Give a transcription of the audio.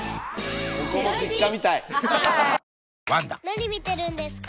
・何見てるんですか？